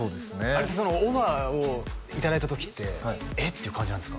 あれってそのオファーをいただいた時って「えっ？」って感じなんですか？